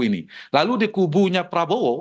ini lalu di kubunya prabowo